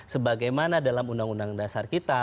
sebagaimana dalam undang undang dasar kita